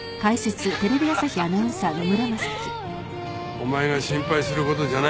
お前が心配する事じゃない。